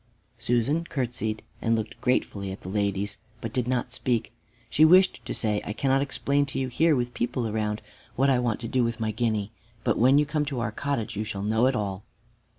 Susan courtesied and looked gratefully at the ladies, but did not speak. She wished to say, "I cannot explain to you here, with people around, what I want to do with my guinea, but when you come to our cottage you shall know all."